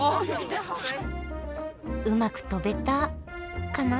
うまく飛べたカナ？